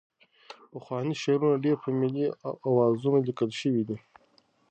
پخواني شعرونه ډېری په ملي اوزانو لیکل شوي دي.